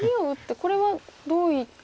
これはどういった？